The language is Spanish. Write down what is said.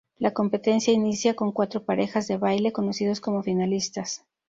La competencia inicia con cuatro parejas de baile, conocidos como "finalistas".